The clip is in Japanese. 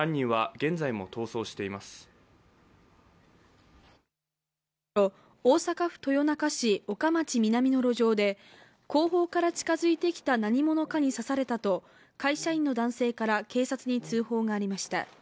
午前１時２０分ごろ大阪府豊中市岡町南の路上で後方から近づいてきた何者かに刺されたと会社員の男性から警察に通報がありました。